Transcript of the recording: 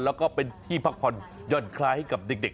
แล้วก็เป็นที่พักผ่อนหย่อนคลายให้กับเด็ก